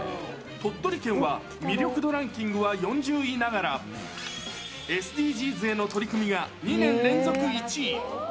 鳥取県は、魅力度ランキングは４０位ながら、ＳＤＧｓへの取り組みが２年連続１位。